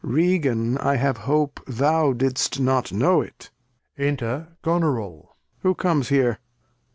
Regan, I have hope Thou didst not know it. Enter Goneril. Who comes here